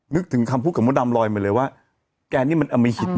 นึกถึงคำพูดกับโมดำรอยไปเลยว่าแกนี่มันอำมะหิตนะ